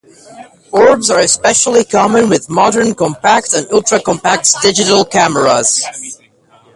Orbs are especially common with modern compact and ultra-compact digital cameras.